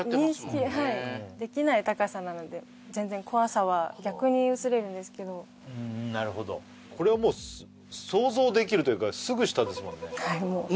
認識はいできない高さなので全然怖さは逆に薄れるんですけどなるほどこれはもう想像できるというかすぐ下ですもんね